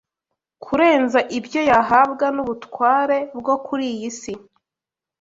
kurenza ibyo yahabwa n’ubutware bwo kuri iyi si